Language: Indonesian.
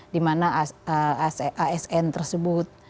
di mana asn tersebut